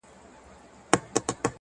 که تریخ دی زما دی،